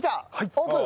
オープン！